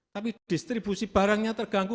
tapi distribusi barangnya terganggu